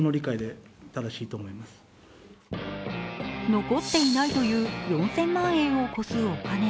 残っていないという４０００万円を超すお金。